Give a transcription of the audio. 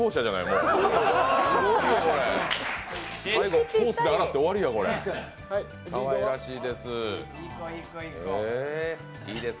かわいらしいです。